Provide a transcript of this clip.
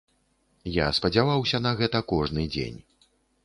Я спадзяваўся на гэта кожны дзень.